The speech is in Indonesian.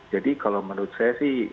jadi kalau menurut saya sih